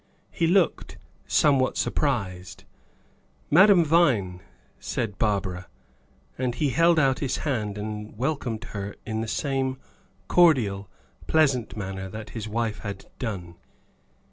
He looked somewhat surprised. "Madame Vine," said Barbara; and he held out his hand and welcomed her in the same cordial, pleasant manner that his wife had done.